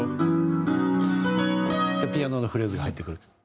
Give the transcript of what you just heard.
ってピアノのフレーズが入ってくる。